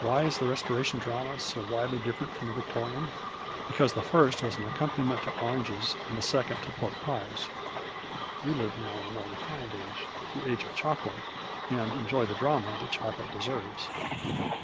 Why is the Restoration drama so widely different from the Victorian ? Because the first was an accompaniment to oranges and the second to pork pies. We live now in a more refined age, the age of chocolate, and enjoy the drama that chocolate deserves.